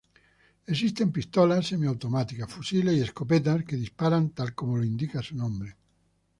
Existen pistolas semiautomáticas, fusiles y escopetas que disparan tal como lo indica su nombre.